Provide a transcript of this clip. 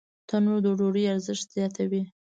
تنور د ډوډۍ ارزښت زیاتوي